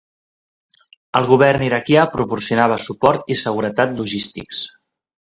El govern iraquià proporcionava suport i seguretat logístics.